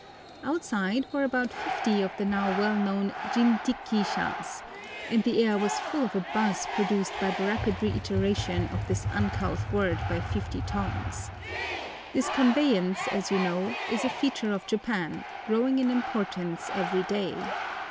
Outside were about fifty of the now well known jin ti ki shas, and the air was full of a buzz produced by the rapid reiteration of this uncouth word by fifty tongues. This conveyance, as you know, is a feature of Japan, growing in importance every day.